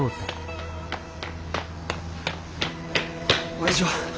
おやじは？